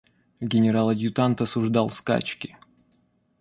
Генерал-адъютант осуждал скачки.